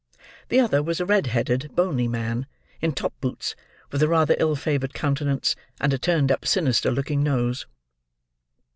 The other was a red headed, bony man, in top boots; with a rather ill favoured countenance, and a turned up sinister looking nose.